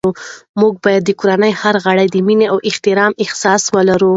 موږ باید د کورنۍ هر غړی د مینې او احترام احساس ولري